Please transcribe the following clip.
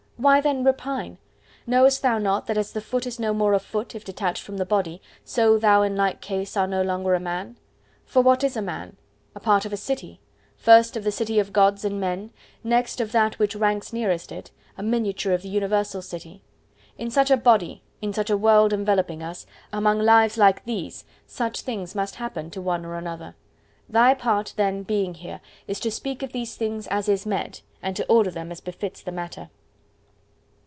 Why then repine? Knowest thou not that as the foot is no more a foot if detached from the body, so thou in like case art no longer a Man? For what is a Man? A part of a City:—first of the City of Gods and Men; next, of that which ranks nearest it, a miniature of the universal City. ... In such a body, in such a world enveloping us, among lives like these, such things must happen to one or another. Thy part, then, being here, is to speak of these things as is meet, and to order them as befits the matter.